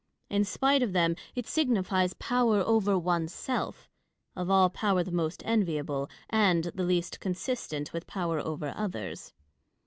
In spite of them, it signifies power over oneself — of all power the most enviable, and the least consistent with power over others.